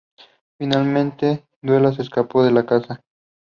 Finalmente, Duela se escapó de la casa.